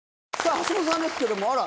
橋本さんですけどもあら！